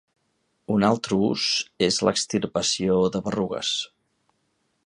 Un altre ús és l'extirpació de berrugues.